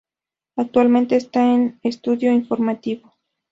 Actualmente está en estudio informativo.